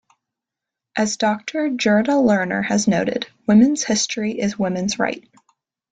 As Doctor Gerda Lerner has noted, 'Women's History is Women's Right.